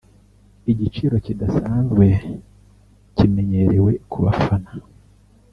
igiciro kidasanzwe kimenyerewe ku bafana